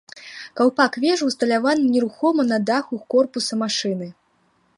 Каўпак вежы ўсталяваны нерухома на даху корпуса машыны.